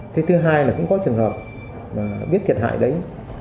cái thứ hai là cũng có trường hợp biết thiệt hại đấy